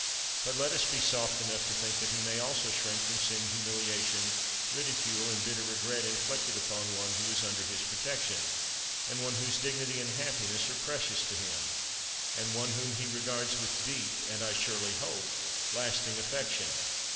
But let us be soft enough to think that he may also shrink from seeing humiliation, ridicule and bitter regret inflicted upon one who is under his protection, and one whose dignity and happiness are precious to him, and one whom he regards with deep and (I surely hope) lasting affection.